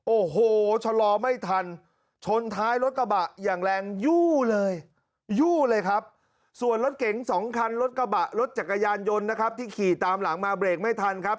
โอ้โหชะลอไม่ทันชนท้ายรถกระบะอย่างแรงยู่เลยยู่เลยครับส่วนรถเก๋งสองคันรถกระบะรถจักรยานยนต์นะครับที่ขี่ตามหลังมาเบรกไม่ทันครับ